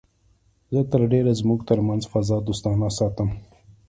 زه تر ډېره زموږ تر منځ فضا دوستانه ساتم